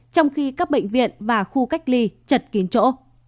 trong khi các bệnh viện và khu cách ly chật kín chỗ